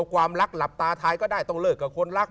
ความรักหลับตาทายก็ได้ต้องเลิกกับคนรัก